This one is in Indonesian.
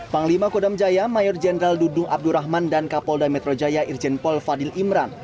panglima kodam jaya mayor jenderal dudung abdurrahman dan kapolda metro jaya irjen pol fadil imran